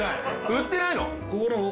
売ってないの？